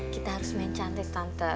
kita harus main cantik